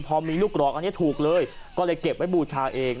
พอมีลูกกรอกอันนี้ถูกเลยก็เลยเก็บไว้บูชาเอง